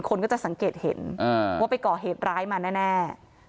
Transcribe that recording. คนก็จะสังเกตเห็นว่าไปก่อเหตุร้ายมาแน่